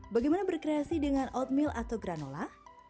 bagaimana berkreasi dengan oatmeal atau granola